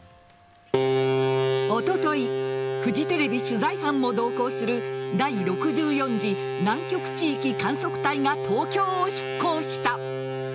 おとといフジテレビ取材班も同行する第６４次南極地域観測隊が東京を出港した。